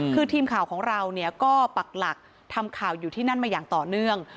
คือทีมข่าวของเราเนี่ยก็ปักหลักทำข่าวอยู่ที่นั่นมาอย่างต่อเนื่อง